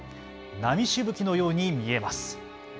波しぶきのように見えます。